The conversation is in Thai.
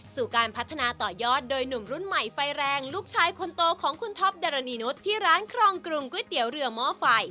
สู่การพัฒนาต่อยอดโดยหนุ่มรุ่นใหม่ไฟแรงลูกชายคนโตของคุณท็อปดารณีนุษย์ที่ร้านครองกรุงก๋วยเตี๋ยวเรือหม้อไฟ